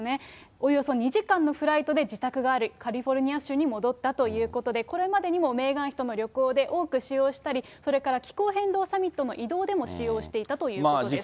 およそ２時間にフライトで、自宅があるカリフォルニア州に戻ったということで、これまでにもメーガン妃との旅行で多く使用したり、それから気候変動サミットの移動でも使用していたということです。